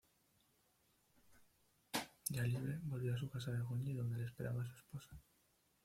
Ya libre volvió a su casa de Goñi donde le esperaba su esposa.